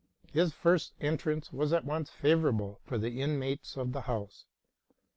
His first entrance was at once favorable for the inmates of the house.